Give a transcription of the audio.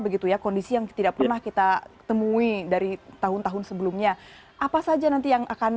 begitu ya kondisi yang tidak pernah kita temui dari tahun tahun sebelumnya apa saja nanti yang akan